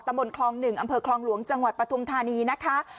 บนคลอง๑อำเภอคลองหลวงจังหวัดปฐุมธานีนะคะ